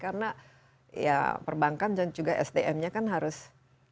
karena ya perbankan dan juga sdm nya kan harus ditransformasi